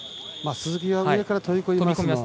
鈴木は上から飛び込みます。